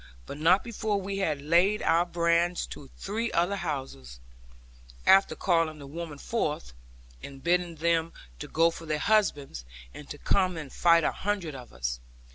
But not before we had laid our brands to three other houses, after calling the women forth, and bidding them go for their husbands, and to come and fight a hundred of us.